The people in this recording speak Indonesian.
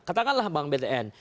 katakanlah bank btn